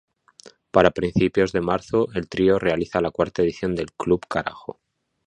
Para principios de marzo, el trío realiza la cuarta edición del Club Carajo.